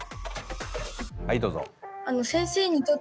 はいどうぞ。